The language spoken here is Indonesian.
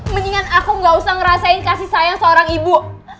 mendingan aku gak usah ngerasain kasih sayang seorang ibu